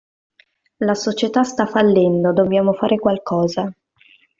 La società sta fallendo, dobbiamo fare qualcosa.